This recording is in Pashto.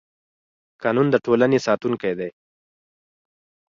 قانون د ټولنې ساتونکی دی